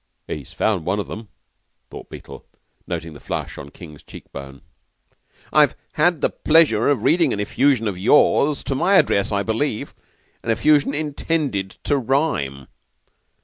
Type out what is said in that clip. "He's found one of 'em," thought Beetle, noting the flush on King's cheek bone. "I have just had the pleasure of reading an effusion of yours to my address, I believe an effusion intended to rhyme.